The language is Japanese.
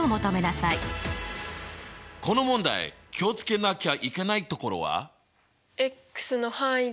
この問題気を付けなきゃいけないところは？